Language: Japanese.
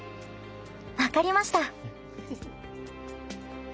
分かりました。